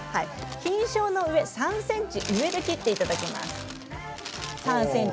菌床の上、３ｃｍ上で切っていただきます。